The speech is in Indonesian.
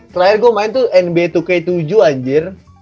terakhir gue main tuh nb dua k tujuh anjir